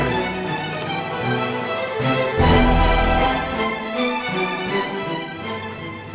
sampai jumpa lagi